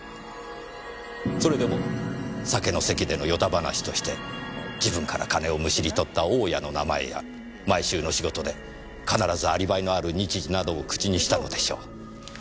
それでも酒の席での与太話として自分から金をむしり取った大家の名前や毎週の仕事で必ずアリバイのある日時などを口にしたのでしょう。